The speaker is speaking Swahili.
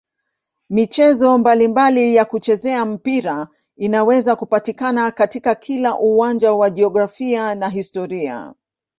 Michezo mbalimbali ya kuchezea mpira inaweza kupatikana katika kila uwanja wa jiografia na historia.